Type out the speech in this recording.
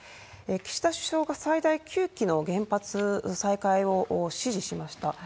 岸田首相が最大９基の原発再開を指示しました。